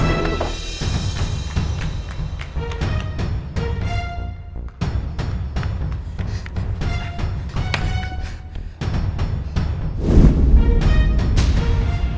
guruzu dengan tuhan